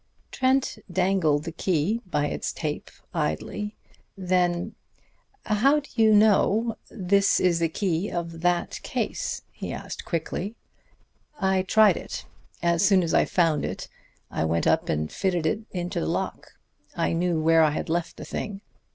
Trent dangled the key by its tape idly. Then "How do you know this is the key of that case?" he asked quickly. "I tried it. As soon as I found it I went up and fitted it to the lock. I knew where I had left the thing.